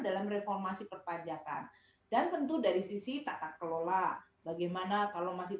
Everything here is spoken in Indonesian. dalam reformasi perpajakan dan tentu dari sisi tata kelola bagaimana kalau masih